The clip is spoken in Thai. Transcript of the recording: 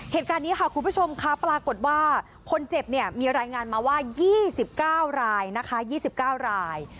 เหตุการณ์นี้ค่ะคุณผู้ชมครับปรากฏว่าคนเจ็บเนี้ยมีรายงานมาว่ายี่สิบเก้ารายนะคะยี่สิบเก้าราย